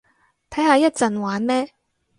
睇下一陣玩咩